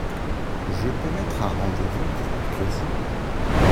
Je peux mettre un rendez-vous pour mercredi ?